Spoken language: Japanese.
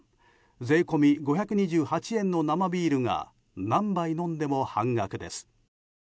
税込み５２８円の生ビールが何杯飲んでも半額です。